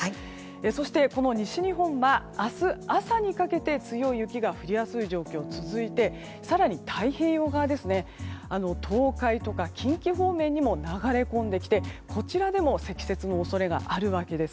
そして、西日本は明日朝にかけて強い雪が降りやすい状況が続いて更に、太平洋側東海とか近畿方面にも流れ込んできてこちらでも積雪の恐れがあります。